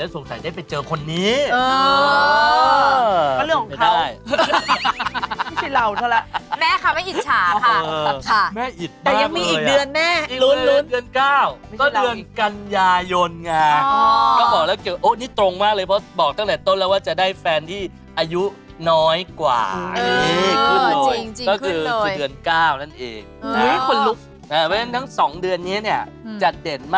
ก็เดือนเดือน๙ก็เดือนกัญญายนง่ะก็บอกแล้วเกี่ยวนี่ตรงมากเลยเพราะบอกตั้งแต่ต้นแล้วว่าจะได้แฟนที่อายุน้อยกว่าเออจริงขึ้นเลยก็คือเดือน๙นั่นเอง